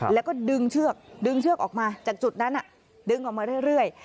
แล้วก็ดึงเชือกดึงเชือกออกมาจากจุดนั้นดึงออกมาเรื่อย